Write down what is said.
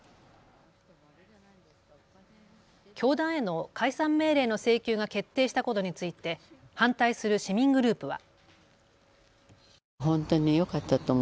教団への解散命令の請求が決定したことについて反対する市民グループは。